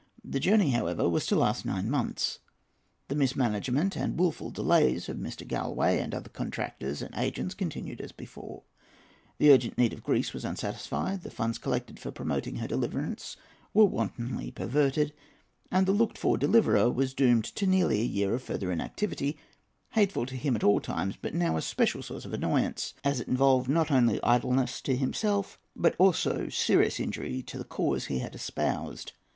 The journey, however, was to last nine months. The mismanagement and the wilful delays of Mr. Galloway and the other contractors and agents continued as before. The urgent need of Greece was unsatisfied; the funds collected for promoting her deliverance were wantonly perverted; and the looked for deliverer was doomed to nearly a year of further inactivity—hateful to him at all times, but now a special source of annoyance, as it involved not only idleness to himself, but also serious injury to the cause he had espoused.